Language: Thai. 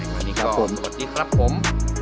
วันนี้ก็สวัสดีครับผม